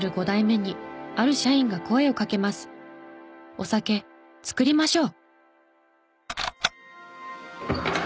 「お酒造りましょう！」